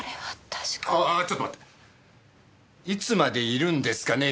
いつまでいるんですかね